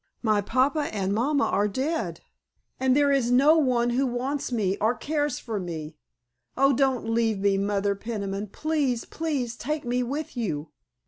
My papa and mama are dead, and there is no one who wants me or cares for me! Oh, don't leave me, Mother Peniman, please, please take me with you!"